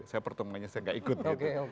saya pertemunya saya enggak ikut gitu